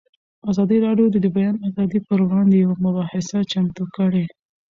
ازادي راډیو د د بیان آزادي پر وړاندې یوه مباحثه چمتو کړې.